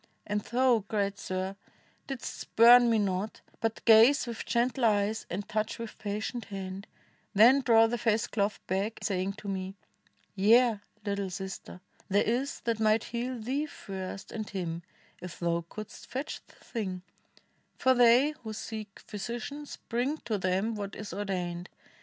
And thou, great sir! didst spurn me not, but gaze 39 INDIA With gentle eyes and touch ^dth patient hand; Then draw the face cloth back, sa}dng to me, 'Yea! little sister, there is that might heal Thee first, and him, if thou couldst fetch the thing; For they who seek physicians bring to them What is ordained.